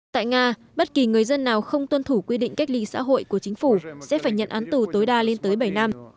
tại nga bất kỳ người dân nào không tuân thủ quy định cách ly xã hội của chính phủ sẽ phải nhận án tù tối đa lên tới bảy năm